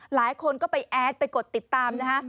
หลายคนก็ไปแอดไปกดติดตามนะฮะ